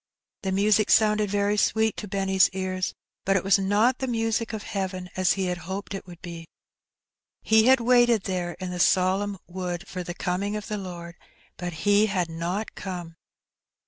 The music sounded very sweet to Benny's ears, but it was not the music of heaven, as he had hoped it would be. He had waited there in the solemn wood for the coming of the Lord, but He had not come.